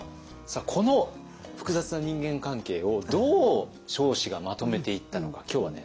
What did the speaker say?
この複雑な人間関係をどう彰子がまとめていったのか今日はね